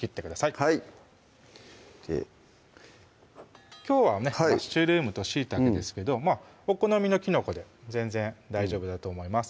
はいきょうはねマッシュルームとしいたけですけどお好みのきのこで全然大丈夫だと思います